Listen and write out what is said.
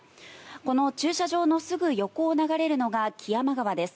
この駐車場のすぐ横を流れるのが木山川です。